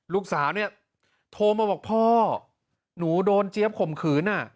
ลูกสาวเนี่ยโทรมาบอกพ่อหนูโดนเจี๊ยบข่มขืน